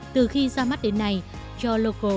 từ khi ra mắt đến nay your local đã có tám mươi năm người sử dụng